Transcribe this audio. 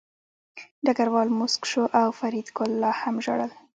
ډګروال موسک شو او فریدګل لا هم ژړل